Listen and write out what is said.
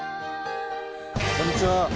こんにちは。